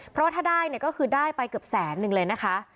เพราะถ้าได้ก็คือได้ไปกับแสนนึงเลยนะคะ